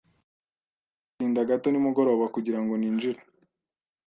Nzatinda gato nimugoroba kugirango ninjire